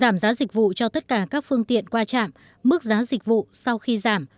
mức giá dịch vụ sau khi giảm